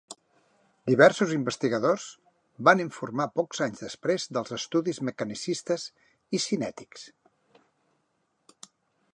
Diversos investigadors van informar pocs anys després dels estudis mecanicistes i cinètics.